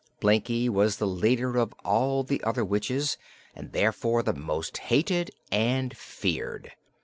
Blinkie was the leader of all the other witches and therefore the most hated and feared.